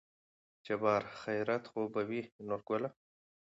جبار : خېرت خو به وي نورګله